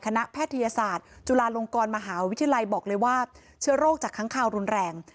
แพทยศาสตร์จุฬาลงกรมหาวิทยาลัยบอกเลยว่าเชื้อโรคจากค้างคาวรุนแรง